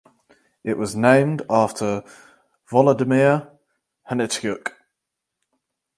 It was named after Volodymyr Hnatiuk.